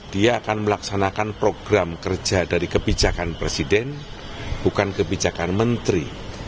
dia akan melaksanakan program kerja dari kebijakan presiden bukan kebijakan menteri